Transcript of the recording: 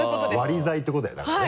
割り材ってことだよだからね？